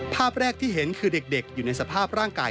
ภาพแรกที่เห็นคือเด็กอยู่ในสภาพร่างกาย